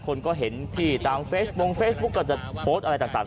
คนก็เห็นที่ตามเฟสวงเฟซบุ๊กก็จะโพสต์อะไรต่าง